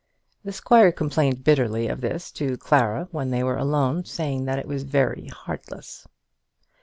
The squire complained bitterly of this to Clara when they were alone, saying that it was very heartless.